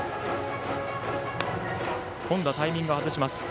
今度はタイミングを外します。